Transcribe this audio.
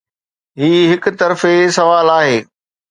هي هڪ طرفي سوال آهي.